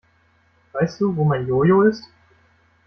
Weißt du, wo mein Jo-Jo ist?